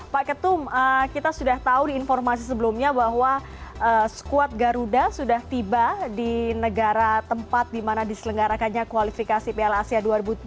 pak ketum kita sudah tahu di informasi sebelumnya bahwa skuad garuda sudah tiba di negara tempat di mana diselenggarakannya kualifikasi piala asia dua ribu tujuh belas